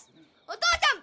お父ちゃん！